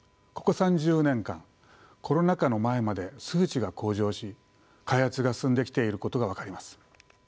ここ３０年間コロナ禍の前まで数値が向上し開発が進んできていることが分かります。